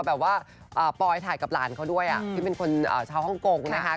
แบบว่าปอยถ่ายกับหลานเขาด้วยที่เป็นคนชาวฮ่องกงนะคะ